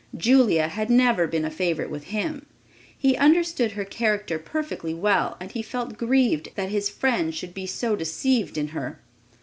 Julia had never been a favorite with him. He understood her character perfectly well and he felt grieved that his friend should be so deceived in her.